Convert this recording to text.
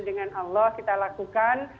dengan allah kita lakukan